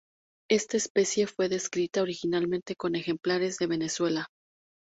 Esta especie fue descrita originalmente con ejemplares de Venezuela.